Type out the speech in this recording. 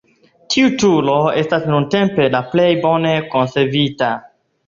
Tiu turo estas nuntempe la plej bone konservita.